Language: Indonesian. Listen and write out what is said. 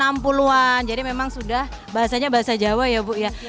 tahun enam puluh an jadi memang sudah bahasanya bahasa jawa ya buk ya